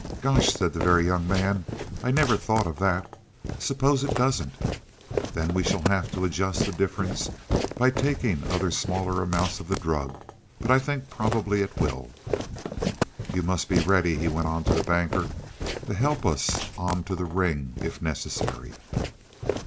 "Gosh!" said the Very Young Man. "I never thought of that. Suppose it doesn't?" "Then we shall have to adjust the difference by taking other smaller amounts of the drug. But I think probably it will. "You must be ready," he went on to the Banker, "to help us on to the ring if necessary."